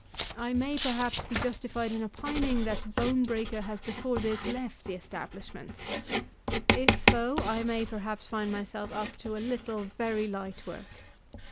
I may, perhaps, be justified in opining that Bonebreaker has before this left the establishment. If so I may, perhaps, find myself up to a little very light work.